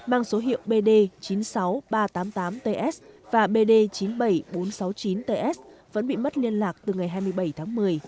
mang số hiệu bd chín mươi sáu nghìn ba trăm tám mươi tám ts và bd chín mươi bảy nghìn bốn trăm sáu mươi chín ts vẫn bị mất liên lạc từ ngày hai mươi bảy tháng một mươi